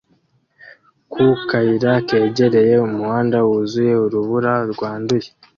ku kayira kegereye umuhanda wuzuye urubura rwanduye